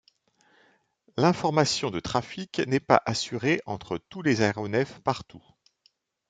L'information de trafic n'est pas assurée entre tous les aéronefs partout.